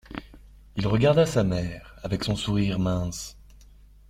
Il regarda sa mère avec son sourire mince.